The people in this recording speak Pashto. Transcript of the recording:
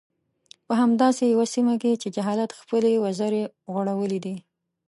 په همداسې يوه سيمه کې چې جهالت خپلې وزرې غوړولي دي.